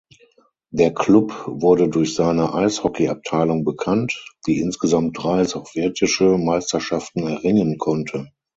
Der Klub wurde durch seine Eishockeyabteilung bekannt, die insgesamt drei sowjetische Meisterschaften erringen konnte.